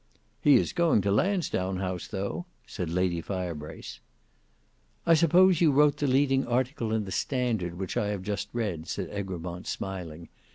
"He is going to Lansdowne House, though," said Lady Firebrace. "I suppose you wrote the leading article in the Standard which I have just read," said Egremont smiling.